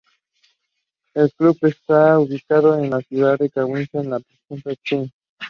El club está ubicado en la ciudad de Kashiwa, en la prefectura de Chiba.